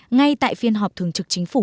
ngay tại phiên họp thường trực chính phủ